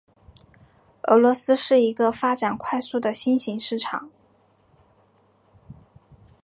俄罗斯是一个发展快速的新型市场。